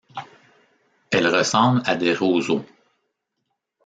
Elles ressemblent à des roseaux.